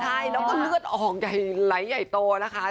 ใช่แล้วก็เลือดอ้องใหญ่โตนะคะ